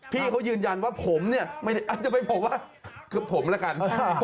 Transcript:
พี่เขายืนยันว่าผมเนี่ยเอาเป็นผมว่าผมละกัน